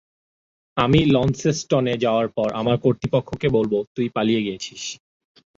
আমি লন্সেস্টনে যাওয়ার পর, আমি কতৃপক্ষকে বলব তুই পালিয়ে গেছিস।